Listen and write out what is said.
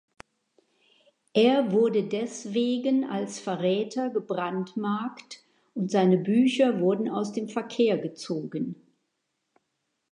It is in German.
Er wurde deswegen als Verräter gebrandmarkt und seine Bücher wurden aus dem Verkehr gezogen.